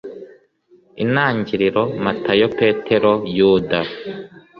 Intangiriro Matayo Petero Yuda